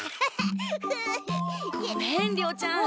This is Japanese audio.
ごめん亮ちゃん。